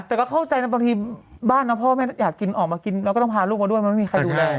แต่เข้าใจนะตอนที่บ้านนะพ่อแม่นอยากออกมากินแล้วก็ต้องพาลูกกันด้วยมันไม่มีใครดูอะไร